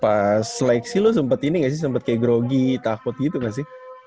pas like sih lu sempet ini gak sih sempet kayak grogi takut gitu gak sih